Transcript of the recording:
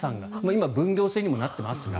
今、分業制にもなっていますが。